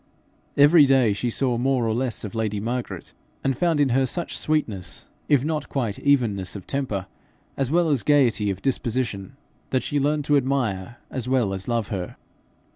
Every day she saw more or less of lady Margaret, and found in her such sweetness, if not quite evenness of temper, as well as gaiety of disposition, that she learned to admire as well as love her.